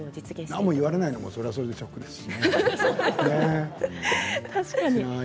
何も言われないのはそれはそれでショックですよね。